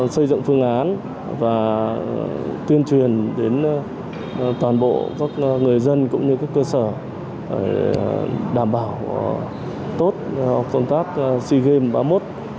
xây dựng phương án và tuyên truyền đến toàn bộ các người dân cũng như các cơ sở đảm bảo tốt công tác sea games ba mươi một